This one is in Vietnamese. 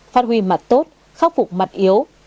phát huy mặt tốt khắc phục mặt yếu